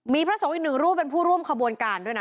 มีพระสงฆ์อีกหนึ่งรูปเป็นผู้ร่วมขบวนการด้วยนะ